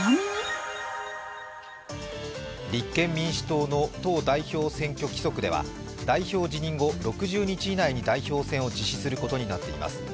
立憲民主党の党代表選挙規則では、代表辞任後６０日以内に代表選を実施することになっています。